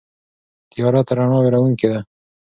تیاره تر رڼا وېروونکې ده.